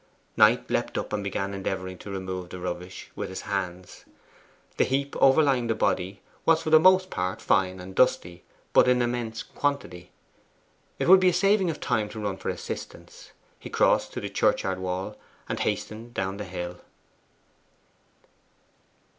Knight leapt up and began endeavouring to remove the rubbish with his hands. The heap overlying the body was for the most part fine and dusty, but in immense quantity. It would be a saving of time to run for assistance. He crossed to the churchyard wall, and hastened down the hill.